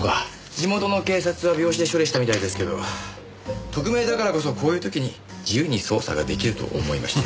地元の警察は病死で処理したみたいですけど特命だからこそこういう時に自由に捜査が出来ると思いまして。